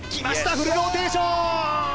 フルローテーション！